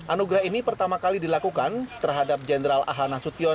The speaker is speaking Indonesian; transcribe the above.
anugerah ini pertama kali dilakukan terhadap jenderal ahana sution